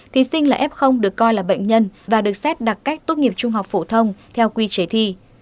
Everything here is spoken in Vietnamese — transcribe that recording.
thí sinh là f được coi là bệnh nhân và được xét đặc cách tốt nghiệp trung học phổ thông theo quy chế thi